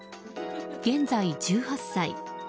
現在１８歳。